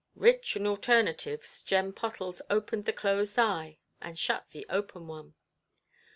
Rich in alternatives, Jem Pottles opened the closed eye, and shut the open one.